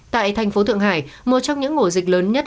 tại thành phố thượng hải một trong những ổ dịch lớn nhất